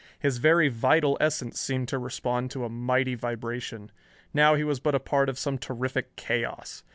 His very vital essence seemed to respond to a mighty vibration. Now he was but a part of some terrific chaos.